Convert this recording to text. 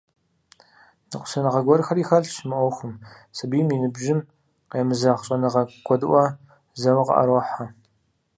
Ныкъусаныгъэ гуэрхэри хэлъщ мы Ӏуэхум — сабийм и ныбжьым къемызэгъ щӀэныгъэ куэдыӀуэ зэуэ къыӀэрохьэ.